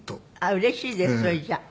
うれしいですそれじゃあ。